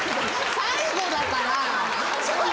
最後だから。